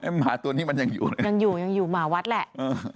ไอ้หมาตัวนี้มันยังอยู่นะยังอยู่หมาวัดแหละ